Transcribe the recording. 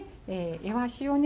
いわしをね